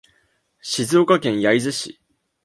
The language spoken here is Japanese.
静岡県焼津市